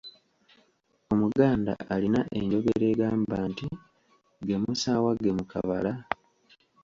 Omuganda alina enjogera egamba nti. “Ge musaawa gemukabala?